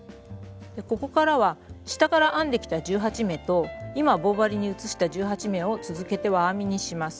ここからは下から編んできた１８目と今棒針に移した１８目を続けて輪編みにします。